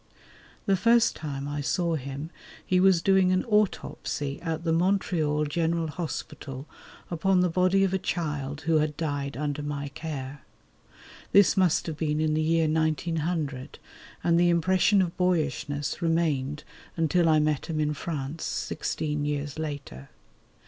The first time I saw him he was doing an autopsy at the Montreal General Hospital upon the body of a child who had died under my care. This must have been in the year 1900, and the impression of boyishness remained until I met him in France sixteen years later.